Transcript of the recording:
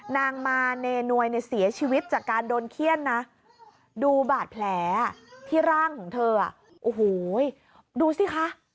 นางมาเนนวยเนี่ยเสียชีวิตจากการโดนเขี้ยนนะดูบาดแผลที่ร่างของเธอโอ้โหดูสิคะ